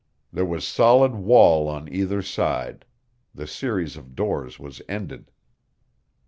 There was solid wall on either side; the series of doors was ended.